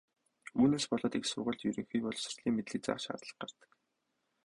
Үүнээс болоод их сургуульд ерөнхий боловсролын мэдлэг заах ч шаардлага гардаг.